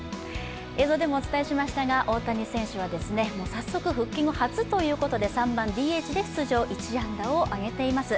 映像でもお伝えしましたが、大谷選手は早速復帰後初ということで３番・ＤＨで出場、３打数１安打を上げています。